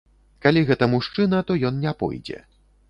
Калі гэта мужчына, то ён не пойдзе.